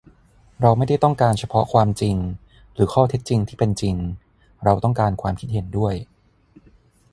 เราไม่ได้ต้องการเฉพาะความจริงหรือข้อเท็จจริงที่เป็นจริง เราต้องการความคิดเห็นด้วย